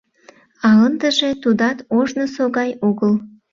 А ындыже тудат ожнысо гай огыл.